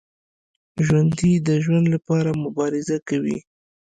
ژوندي د ژوند لپاره مبارزه کوي